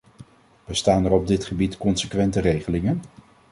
Bestaan er op dit gebied consequente regelingen?